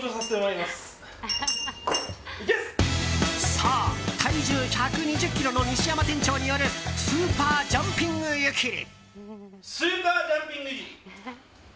そう、体重１２０ｋｇの西山店長によるスーパージャンピング湯切り。